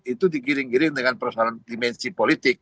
itu digiring giring dengan persoalan dimensi politik